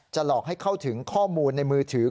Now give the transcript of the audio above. หลอกให้เข้าถึงข้อมูลในมือถือ